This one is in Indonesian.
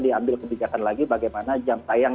diambil kebijakan lagi bagaimana jam tayang